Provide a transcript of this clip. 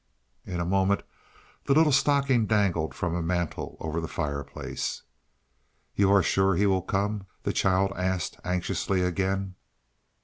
In a moment the little stocking dangled from a mantel over the fireplace. "You are sure he will come?" the child asked anxiously again.